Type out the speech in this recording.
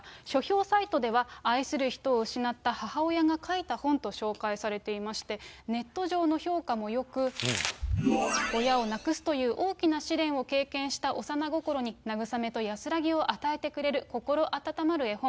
書評サイトでは、愛する人を失った母親が書いた本と紹介されていまして、ネット上の評価もよく、親を亡くすという大きな試練を経験した幼心になぐさめと安らぎを与えてくれる心温まる絵本。